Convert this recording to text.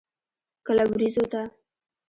کله ورېځو ته.